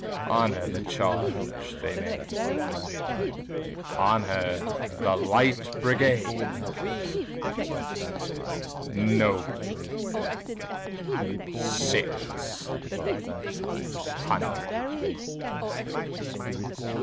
Honor the charge they made! Honor the Light Brigade, Noble six hundred!